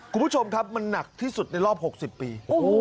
คุณผู้ชมครับมันหนักที่สุดในรอบ๖๐ปี